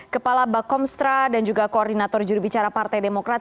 kepala bakomstra dan juga koordinator jurubicara partai demokrat